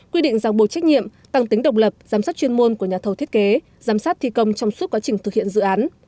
quy định giang bộ trách nhiệm tăng tính độc lập giám sát chuyên môn của nhà thầu thiết kế giám sát thi công trong suốt quá trình thực hiện dự án